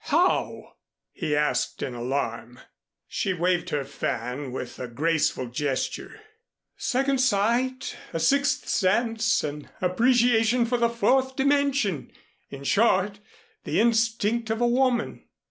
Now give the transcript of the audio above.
"How?" he asked in alarm. She waved her fan with a graceful gesture. "Second sight, a sixth sense, an appreciation for the fourth dimension in short the instinct of a woman."